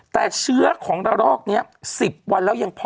แต่เชื้อของระลอกนี้๑๐วันแล้วยังพอ